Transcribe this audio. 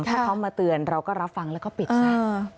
ถ้าเขามาเตือนเราก็รับฟังแล้วก็ปิดใจ